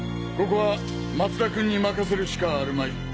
ここは松田君に任せるしかあるまい。